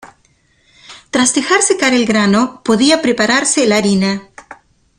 Tras dejar secar el grano, podía prepararse la harina.